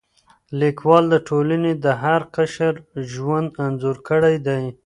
لیکوال د ټولنې د هر قشر ژوند انځور کړی دی.